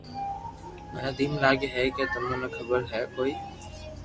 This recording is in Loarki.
مني تو ايمم لاگي ھي ڪي تمو ني خبر ھي ڪوئي نو